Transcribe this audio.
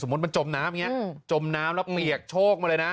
สมมุติมันจมน้ำอย่างเงี้ยจมน้ำแล้วเหมียกโชคมาเลยนะ